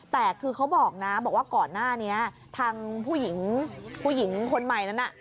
แต่คือเขาบอกนะบอกว่าก่อนหน้านี้ทางผู้หญิงผู้หญิงคนใหม่นั้นน่ะ